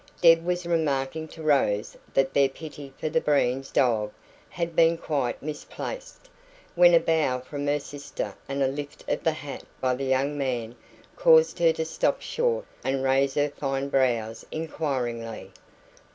Deb was remarking to Rose that their pity for the Breens' dog had been quite misplaced, when a bow from her sister and a lift of the hat by the young man caused her to stop short and raise her fine brows inquiringly.